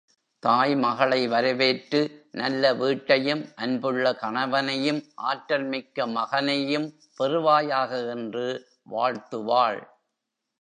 தாய் மகளை வரவேற்று, நல்ல வீட்டையும், அன்புள்ள கணவனையும் ஆற்றல்மிக்க மகனையும் பெறுவாயாக என்று வாழ்த்துவாள்.